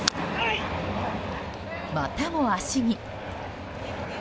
またも足に。